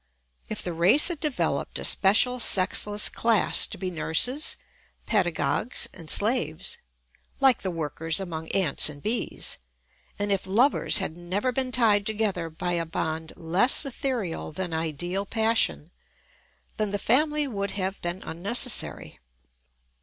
If the race had developed a special sexless class to be nurses, pedagogues, and slaves, like the workers among ants and bees, and if lovers had never been tied together by a bond less ethereal than ideal passion, then the family would have been unnecessary.